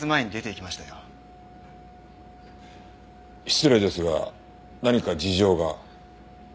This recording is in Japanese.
失礼ですが何か事情が？